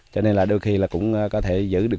cho nên là đôi khi là cũng có thể giữ được